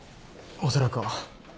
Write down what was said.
おそらくは。